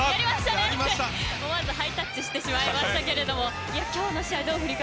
思わずハイタッチしてしまいましたけれども今日の試合